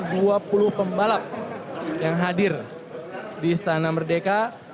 ada dua puluh pembalap yang hadir di istana merdeka